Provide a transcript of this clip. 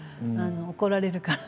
怒られるから。